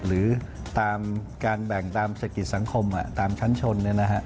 หรือตามการแบ่งตามเศรษฐกิจสังคมตามชั้นชน